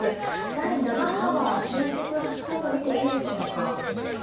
第７波は収束したと見ていいんでしょうか？